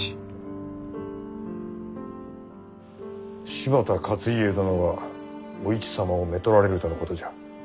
柴田勝家殿がお市様をめとられるとのことじゃ。